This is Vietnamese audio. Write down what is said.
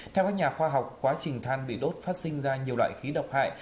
theo các nhà khoa học quá trình than bị đốt phát sinh ra nhiều loại khí độc hại